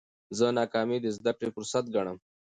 زه ناکامي د زده کړي فرصت ګڼم.